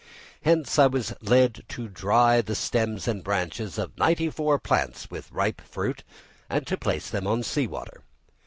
Hence I was led to dry the stems and branches of ninety four plants with ripe fruit, and to place them on sea water.